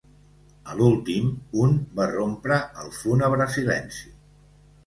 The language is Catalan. A l'últim, un va rompre el fúnebre silenci.